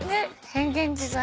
変幻自在。